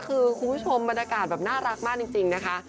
คือคุณผู้ชมบรรยากาศแบบน่ารักมากจริงนะคะ